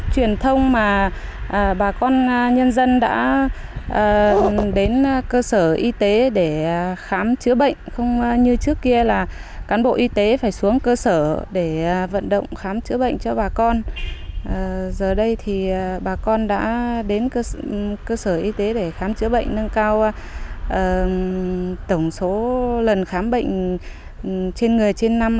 chữa bệnh nâng cao tổng số lần khám bệnh trên người trên năm là đạt một bảy lần trên năm trên người